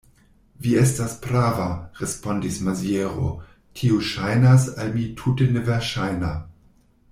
Vi estas prava, respondis Maziero; tio ŝajnas al mi tute neverŝajna.